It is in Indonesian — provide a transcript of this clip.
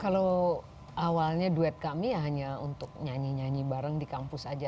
kalau awalnya duet kami ya hanya untuk nyanyi nyanyi bareng di kampus saja